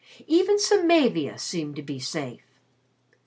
Even Samavia seemed to be safe.